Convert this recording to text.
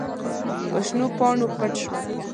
په شنو پاڼو پټ شول.